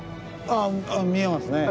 ああ見えますね。